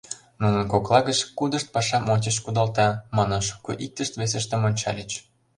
Нунын кокла гыч кудышт пашам ончыч кудалта, манын нуно иктышт-весыштым ончальыч.